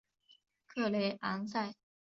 克雷昂塞。